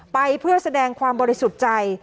ไปเพื่อแสดงความบริสุทธิ์ใจ